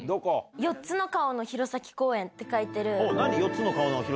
４つの顔の弘前公園っていうのは。